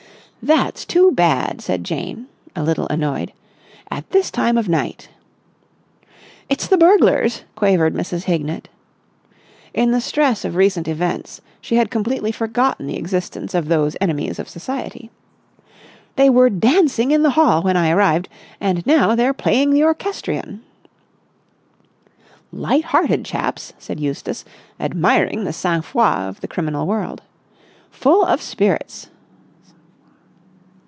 "That's too bad!" said Jane, a little annoyed. "At this time of night!" "It's the burglars!" quavered Mrs. Hignett. In the stress of recent events she had completely forgotten the existence of those enemies of Society. "They were dancing in the hall when I arrived, and now they're playing the orchestrion!" "Light hearted chaps!" said Eustace, admiring the sang froid of the criminal world. "Full of spirits!"